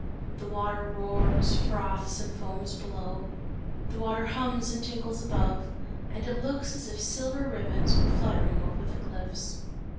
The water roars, froths and foams below, the water hums and tinkles above, and it looks as if silver ribbons were fluttering over the cliffs.